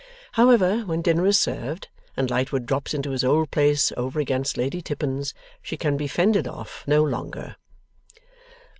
However, when dinner is served, and Lightwood drops into his old place over against Lady Tippins, she can be fended off no longer.